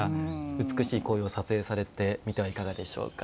美しい紅葉、撮影してみてはいかがでしょうか。